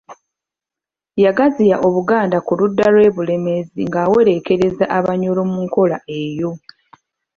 Yagaziya Obuganda ku ludda lw'e Bulemeezi ng'awereekerezza Abanyoro mu nkola eyo.